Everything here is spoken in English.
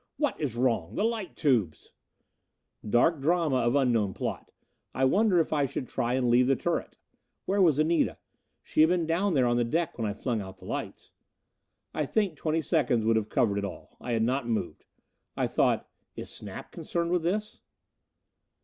What is wrong? The light tubes " Dark drama of unknown plot! I wonder if I should try and leave the turret. Where was Anita? She had been down there on the deck when I flung out the lights. I think twenty seconds would have covered it all. I had not moved. I thought, "Is Snap concerned with this?"